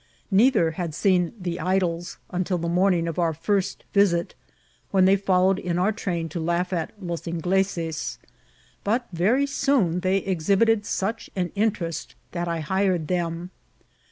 Neither had seen ^^the idols" until the morning of our first visit, when they followed in our train to laugh at los Ingleses ; but very soon they exhibited such an interest that I hired them.